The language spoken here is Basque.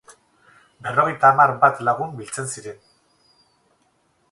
Berrogeita hamar bat lagun biltzen ziren.